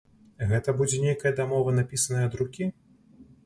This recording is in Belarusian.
Гэта будзе нейкая дамова, напісаная ад рукі?